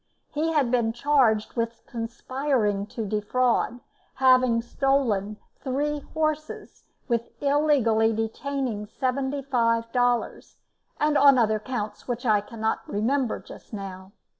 He had been charged with conspiring to defraud; with having stolen three horses; with illegally detaining seventy five dollars; and on other counts which I cannot remember just now.